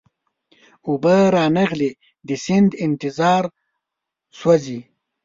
اوبه را نغلې د سیند انتظار سوزی